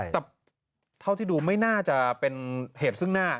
แต่เท่าที่ดูไม่น่าจะเป็นเหตุซึ่งหน้า